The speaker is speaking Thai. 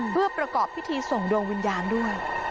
เพื่อประกอบพิธีส่งดวงวิญญาณด้วย